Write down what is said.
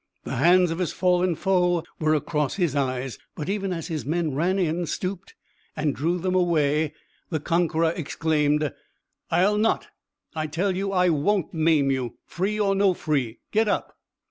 The hands of his fallen foe were across his eyes. But even as his men ran in, stooped and drew them away the conqueror exclaimed: "I'll not! I tell you I won't maim you, free or no free! Get up!"